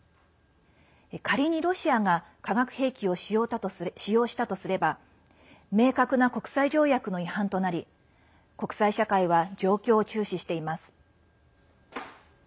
仮にロシアが化学兵器を使用したとすれば明確な国際条約の違反となり国際社会は状況を注視しています。